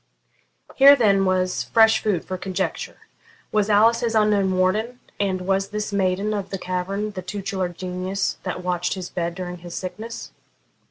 Here then was fresh food for conjecture. Was Alice his unknown warden, and was this maiden of the cavern the tutelar genius that watched his bed during his sickness?